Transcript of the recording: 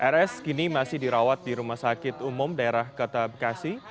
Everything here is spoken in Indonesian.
rs kini masih dirawat di rumah sakit umum daerah kota bekasi